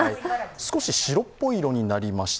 少し白っぽい色になりました。